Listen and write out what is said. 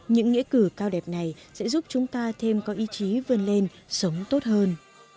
những nghĩa cử cao đẹp này sẽ giúp chúng ta thêm có ý chí vươn lên sống tốt hơn